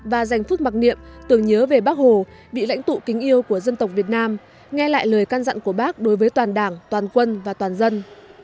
và dành phút mặc niệm tưởng nhớ về bác hồ vị lãnh tụ kính yêu của dân tộc việt nam nghe lại lời can dặn của bác đối với toàn đảng toàn quân và toàn dân